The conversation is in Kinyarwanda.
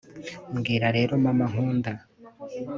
mbwira rero mama nkunda